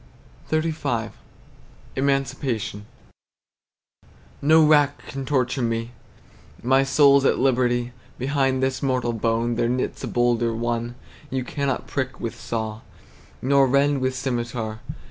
XXXV. EMANCIPATION. No rack can torture me, My soul's at liberty Behind this mortal bone There knits a bolder one You cannot prick with saw, Nor rend with scymitar.